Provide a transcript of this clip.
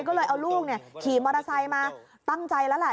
ก็เลยเอาลูกขี่มอเตอร์ไซค์มาตั้งใจแล้วแหละ